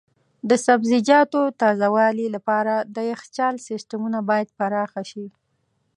د سبزیجاتو تازه والي لپاره د یخچال سیستمونه باید پراخ شي.